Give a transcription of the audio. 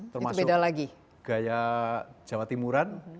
termasuk gaya jawa timuran